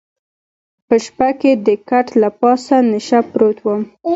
په شپه کې د کټ له پاسه نشه پروت وم.